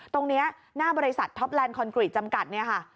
ตรงนี้หน้าบริษัทท็อปแลนดคอนกรีตจำกัดเนี่ยค่ะ